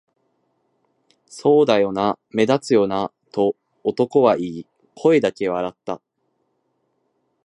「そうだよな、目立つよな」と男は言い、声だけで笑った